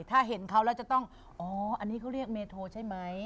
ถ้าเห็นเขาแล้วจะต้องอ๋ออันนี้เขาเรียกเมโทใช่ไหม